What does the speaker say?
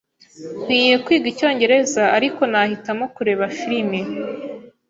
Nkwiye kwiga icyongereza, ariko nahitamo kureba firime.